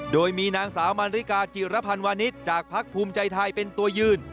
โดยมีนางสาวมาริกาจิรพันธ์วานิสจากภักดิ์ภูมิใจไทยเป็นตัวยืน